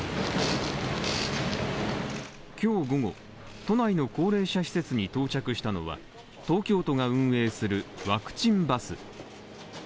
今日午後、都内の高齢者施設に到着したのは東京都が運営するワクチンバス。